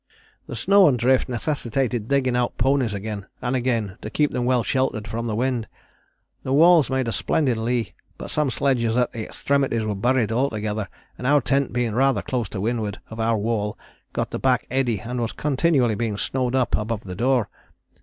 "The snow and drift necessitated digging out ponies again and again to keep them well sheltered from the wind. The walls made a splendid lee, but some sledges at the extremities were buried altogether, and our tent being rather close to windward of our wall got the back eddy and was continually being snowed up above the door.